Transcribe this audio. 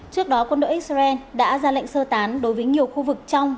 trước đó quân đội x bảy đã ra lệnh sơ tán đối với nhiều khu vực trong